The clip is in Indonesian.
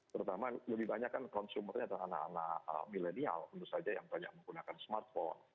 terutama lebih banyak kan consumernya adalah anak anak milenial tentu saja yang banyak menggunakan smartphone